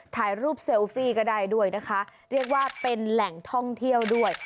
ถ่ายรูปเซลฟี่ก็ได้ด้วยนะคะเรียกว่าเป็นแหล่งท่องเที่ยวด้วย